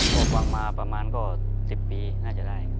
ก็ฟังมาประมาณก็๑๐ปีน่าจะได้